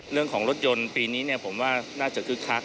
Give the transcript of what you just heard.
เรื่องของรถยนต์ปีนี้ผมว่าน่าจะคึกคัก